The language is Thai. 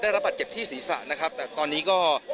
รับบาดเจ็บที่ศีรษะนะครับแต่ตอนนี้ก็